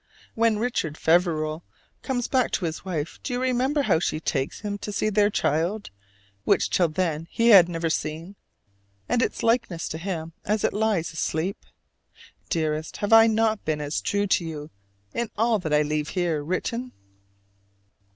When Richard Feverel comes back to his wife, do you remember how she takes him to see their child, which till then he had never seen and its likeness to him as it lies asleep? Dearest, have I not been as true to you in all that I leave here written?